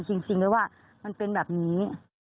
จริงเลยว่ามันเป็นแบบนี้